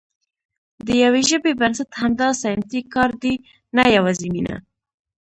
د یوې ژبې بنسټ همدا ساینسي کار دی، نه یوازې مینه.